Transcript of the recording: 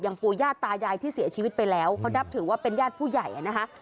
ปู่ย่าตายายที่เสียชีวิตไปแล้วเขานับถือว่าเป็นญาติผู้ใหญ่นะคะ